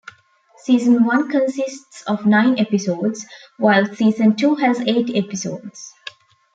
Season one consists of nine episodes, while season two has eight episodes.